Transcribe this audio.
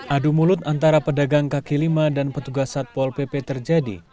adu mulut antara pedagang kaki lima dan petugas satpol pp terjadi